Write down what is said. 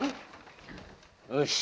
よし。